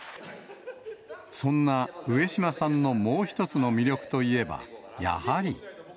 そんな上島さんのもう一つの魅力といえば、やはり。